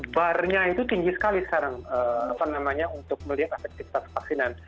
barnya itu tinggi sekali sekarang untuk melihat efektivitas vaksinan